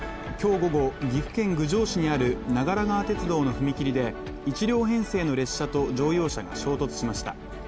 今日午後、岐阜県郡上市にある長良川鉄道の踏切で、１両編成の列車と乗用車が衝突しました。